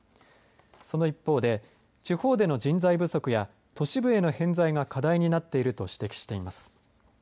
その一方で地方での人材不足や都市部への偏在が課題になっていると指摘しています。